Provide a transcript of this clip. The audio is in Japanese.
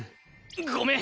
ごめん！